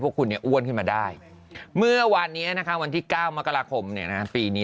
พวกคุณอ้วนขึ้นมาได้เมื่อวานนี้วันที่๙มกราคมปีนี้